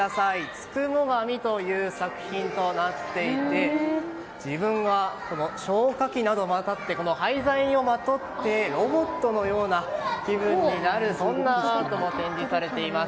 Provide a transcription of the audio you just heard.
「つくもがみ」という作品になっていて消火器などもあって廃材をまとってロボットのような気分になるそんなアートが展示されています。